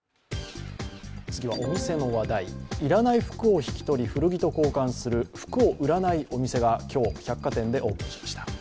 次はお店の話題、要らない服を引き取り古着と交換する服を売らないお店が今日、百貨店でオープンしました。